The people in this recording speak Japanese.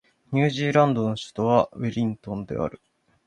ニュージーランドの首都はウェリントンである